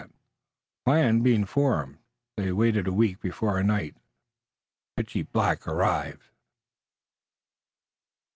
The plan being formed, they waited a week before a night, pitchy black, arrived.